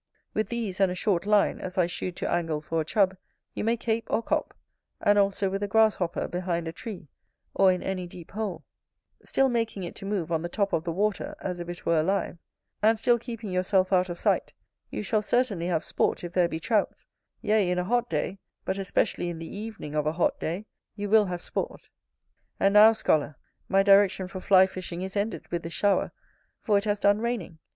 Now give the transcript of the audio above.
With these and a short line, as I shewed to angle for a Chub, you may cape or cop, and also with a grasshopper, behind a tree, or in any deep hole; still making it to move on the top of the water as if it were alive, and still keeping yourself out of sight, you shall certainly have sport if there be Trouts; yea, in a hot day, but especially in the evening of a hot day, you will have sport. And now, scholar, my direction for fly fishing is ended with this shower, for it has done raining.